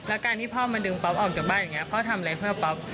แล้วการที่พ่อมาดึงป๊อปออกจากบ้านอย่างนี้พ่อทำอะไรเพื่อป๊อป